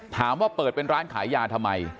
ถามว่าเปิดเป็นร้านขายยาทำไม